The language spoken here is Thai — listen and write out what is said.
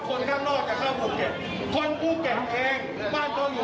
เพื่อที่จะกลับบ้านมันหมายความอะไรวะ